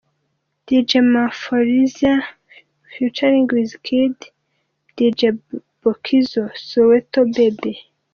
• Dj Maphorsia ft. Wizkid & Dj Buckz – Soweto Baby